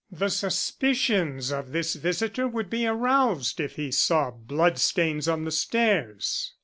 The suspicions of this visitor would be aroused if he saw blood stains on the stairs.